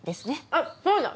あっそうだ。